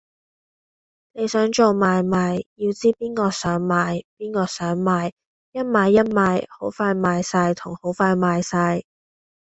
你想做買賣，要知邊個想買，邊個想賣，一買一賣，好快買哂同好快賣晒